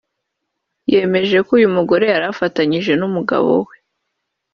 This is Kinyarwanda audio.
yemeje ko uyu mugore yari afatanyije n’umugabo we